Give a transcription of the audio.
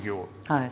はい。